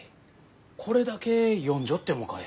これだけ読んじょってもかえ？